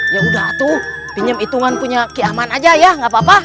yaudah atuh pinjam itungan punya kiaman aja ya gapapa